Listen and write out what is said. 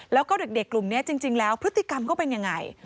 แล้วก็เด็กกลุ่มนี้จริงแล้วพฤติกรรมก็เป็นยังไง